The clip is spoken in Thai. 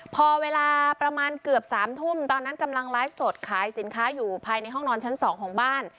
พอเวลาประมาณเกือบ๓ทุ่มตอนนั้นกำลังไลฟ์สดขายสินค้าอยู่ภายในห้องนอนชั้น๒ของบ้าน